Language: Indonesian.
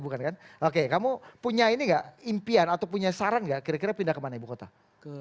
bukan oke kamu punya ini enggak impian atau punya saran gak kira kira pindah ke mana ibu kota ke